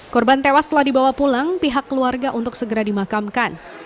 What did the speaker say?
korban tewas telah dibawa pulang pihak keluarga untuk segera dimakamkan